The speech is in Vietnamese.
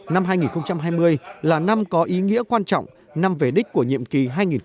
năm hai nghìn hai mươi là năm có ý nghĩa quan trọng năm về đích của nhiệm kỳ hai nghìn một mươi sáu hai nghìn hai mươi